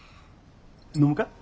飲むか？